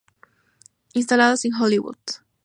Instalados en Hollywood.